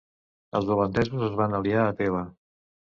Els holandesos es van aliar a Teva.